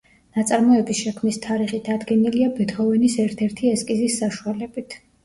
ნაწარმოების შექმნის თარიღი დადგენილია ბეთჰოვენის ერთ-ერთი ესკიზის საშუალებით.